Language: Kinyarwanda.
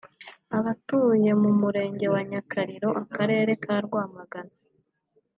Abatuye mu Murenge wa Nyakariro akarere ka Rwamagana